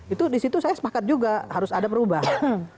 itu di situ saya sepakat juga harus ada perubahan